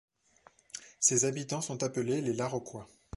Ses habitants sont appelés les Laroquois.